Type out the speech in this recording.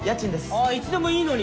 ああいつでもいいのに。